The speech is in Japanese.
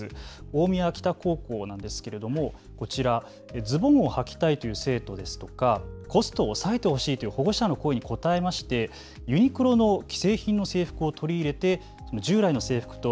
大宮北高校なんですがこちら、ズボンをはきたいという生徒やコストを抑えてほしいという保護者の声に応えましてユニクロの既製品の制服を取り入れて従来の制服と